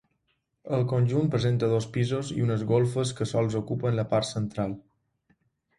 El conjunt presenta dos pisos i unes golfes que sols ocupen la part central.